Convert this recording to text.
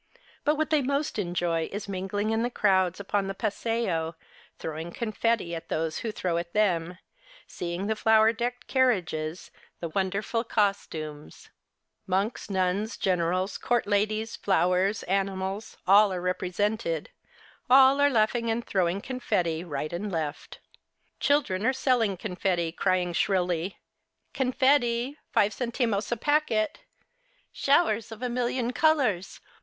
But what they most enjoy is mingling in the crowds upon the paseo, throwing con fetti at those who throw at them, seeing the flower decked carriages, the wonderful cos tumes ; monks, nuns, generals, court ladies, flowers, animals, all are represented, — all are laughing and throwing confetti right and left. Children are selling confetti, crying shrilly, " Confetti, five centimos a packet. Showers of a million colours